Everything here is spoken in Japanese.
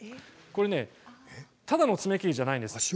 これ、ただの爪切りじゃないんです。